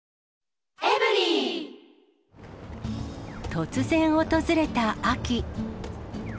突然訪れた秋。